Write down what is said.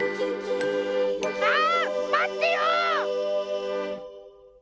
ああまってよ！